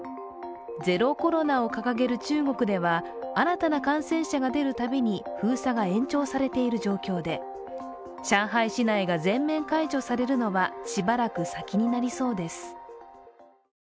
ゼロコロナを掲げる中国では新たな感染者が出るたびに封鎖が延長されている状況で、上海市内が全面解除されるのはしばらく先になりそうです。